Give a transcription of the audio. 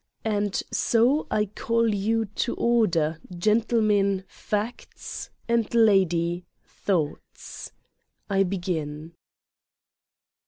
And so I call you to order, gentleman facts and lady thoughts. I begin.